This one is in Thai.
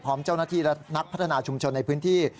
พร้อมเจ้าหน้าที่และนักพัฒนาชุมชนในพื้นที่